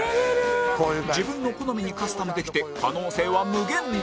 自分の好みにカスタムできて可能性は無限大！